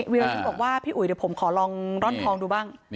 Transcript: ที่บอกว่าพี่อุ๋ยเดี๋ยวผมขอลองร่อนทองดูบ้าง